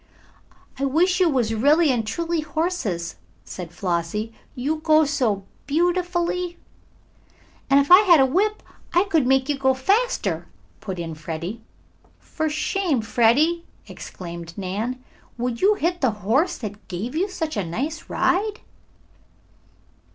"I wish you was really and truly horses," said Flossie. "You go so _beau_tifully!" "And if I had a whip I could make you go faster," put in Freddie. "For shame, Freddie!" exclaimed Nan. "Would you hit the horse that gave you such a nice ride?"